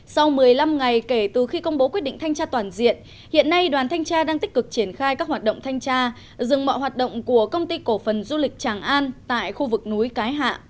sau một mươi năm ngày kể từ khi công bố quyết định thanh tra toàn diện hiện nay đoàn thanh tra đang tích cực triển khai các hoạt động thanh tra dừng mọi hoạt động của công ty cổ phần du lịch tràng an tại khu vực núi cái hạ